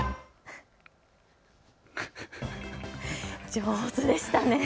上手でしたね。